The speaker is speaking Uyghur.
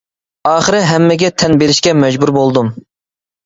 ئاخىرى ھەممىگە تەن بېرىشكە مەجبۇر بولدۇم.